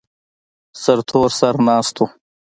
سرتور سر ناست و.